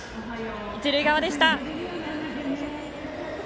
一塁側でした。